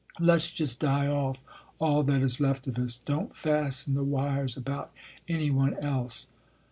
Let s just die off, all that is left of us. Don t fasten the wires about any one else."